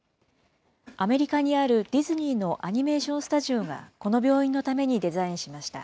アメリカにあるディズニーのアニメーションスタジオがこの病院のためにデザインしました。